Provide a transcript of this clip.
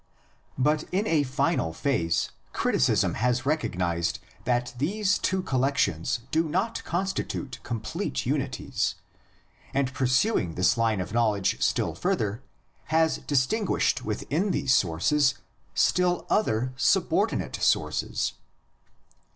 But in a final phase criticism has recognised that these two col lections do not constitute complete unities, and pursuing this line of knowledge still further has dis THE LA TER COLLECTIONS. 125 tinguished within these sources still other subordi nate sources.